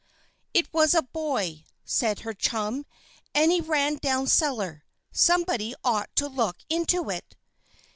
"It was a boy," said her chum. "And he ran down cellar. Somebody ought to look into it."